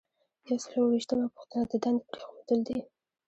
یو سل او اووه ویشتمه پوښتنه د دندې پریښودل دي.